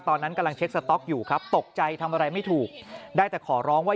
ตอนนั้นกำลังเช็คสต๊อกอยู่ครับตกใจทำอะไรไม่ถูกได้แต่ขอร้องว่า